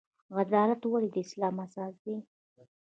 عدالت ولې د اسلام اساس دی؟